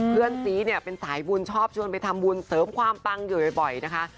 เพื่อนซีเนี่ยเป็นสายบุญชอบชวนไปทำบุญเสริมความปังอยู่บ่อยนะคะ